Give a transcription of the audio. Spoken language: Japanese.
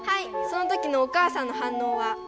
そのときのお母さんの反応は？